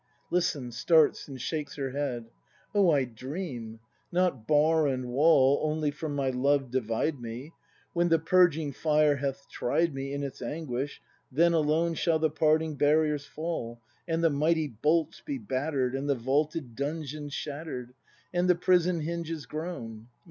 [Listens, starts, and sJiakes her head.] Oh, I dream! Not bar and wall Only from my love divide me. When the purging fire hath tried me In its anguish, then alone Shall the parting barriers fall And the mighty bolts be batter'd, And the vaulted dungeons shatter'd. And the prison hinges groan!